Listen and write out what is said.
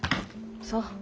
そう。